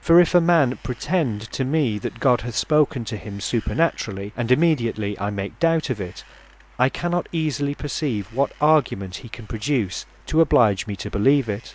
For if a man pretend to me, that God hath spoken to him supernaturally, and immediately, and I make doubt of it, I cannot easily perceive what argument he can produce, to oblige me to beleeve it.